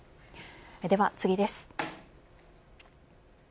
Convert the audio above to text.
では次です。